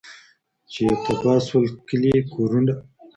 چي یې تباه سول کلي کورونه